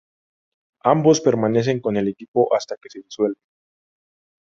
Ambos permanecen con el equipo hasta que se disuelve.